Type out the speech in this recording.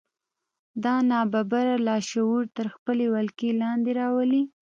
دا ناببره لاشعور تر خپلې ولکې لاندې راولي